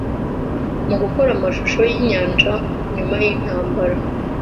mugukora amashusho yinyanja Nyuma yintambara